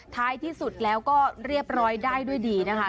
ท้ายที่สุดแล้วก็เรียบร้อยได้ด้วยดีนะคะ